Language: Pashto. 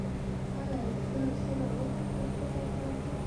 ایا زه صبر وکړم تر څو تاسو راشئ؟